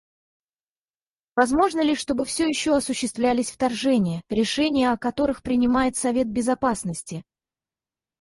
Возможно ли, чтобы все еще осуществлялись вторжения, решение о которых принимает Совет Безопасности?